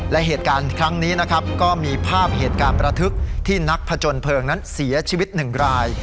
และเหตุการณ์ครั้งนี้นะครับก็มีภาพเหตุการณ์ประทึกที่นักผจญเพลิงนั้นเสียชีวิตหนึ่งราย